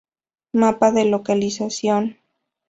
Mapa de localización